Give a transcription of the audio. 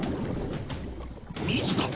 水だ！